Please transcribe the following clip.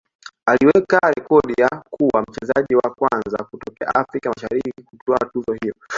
aliweka rekodi ya kuwa mchezaji wa kwanza kutokea Afrika Mashariki kutwaa tuzo hiyo